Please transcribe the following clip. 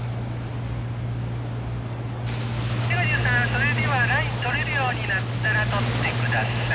「それではライン取れるようになったら取って下さい」。